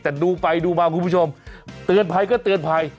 แต่ดูไปดูมาคุณผู้ชมเตือนภัยก็เตือนภัย